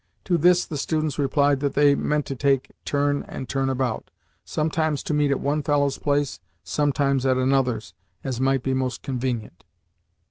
To this the students replied that they meant to take turn and turn about sometimes to meet at one fellow's place, sometimes at another's, as might be most convenient.